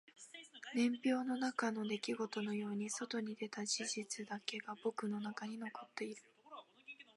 年表の中の出来事のように外に出た事実だけが僕の中に残っている